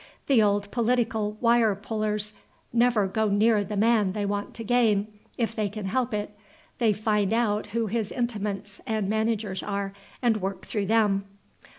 The old political wire pullers never go near the man they want to gain, if they can help it; they find out who his intimates and managers are, and work through them.